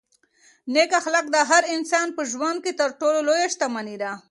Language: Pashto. نېک اخلاق د هر انسان په ژوند کې تر ټولو لویه شتمني ده.